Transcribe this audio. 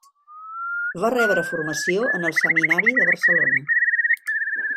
Va rebre formació en el Seminari de Barcelona.